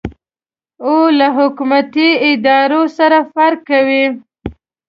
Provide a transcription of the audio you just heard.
او له حکومتي ادارو سره فرق کوي.